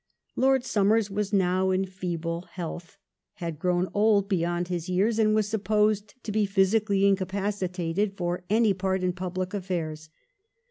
Lord Somers was now in feeble health, had grown old beyond his years, and was supposed to be physically incapacitated for any part in pubhc ajBTairs.